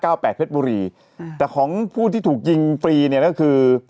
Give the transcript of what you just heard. ความเป็นเผ็ดบุรีแต่ของผู้ที่ถูกยิงปรีนะคือ